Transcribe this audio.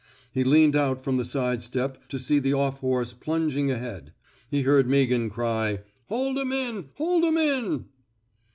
He leaned out from the side step to see the off horse plung ing ahead. He heard Meaghan cry: '* Hold 'em in! Hold 'em in!